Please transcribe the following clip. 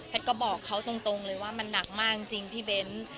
ก็บอกเขาตรงเลยว่ามันหนักมากจริงพี่เบ้น